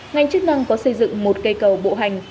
ngành chức năng có xây dựng một cây cầu bộ hành